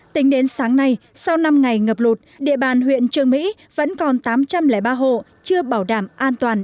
tính đến sáng nay sau năm ngày ngập lụt địa bàn huyện trường mỹ vẫn còn tám trăm linh ba hộ chưa bảo đảm an toàn